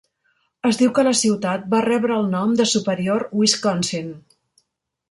Es diu que la ciutat va rebre el nom de Superior, Wisconsin.